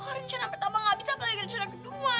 kok rencana pertama gak bisa apalagi rencana kedua